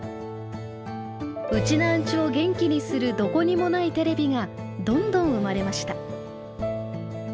ウチナーンチュを元気にする「どこにもないテレビ」がどんどん生まれました。